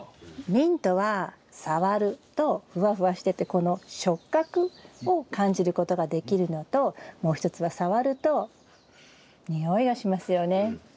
ミントは触るとふわふわしててこの触覚を感じることができるのともう一つは触ると匂いがしますよね。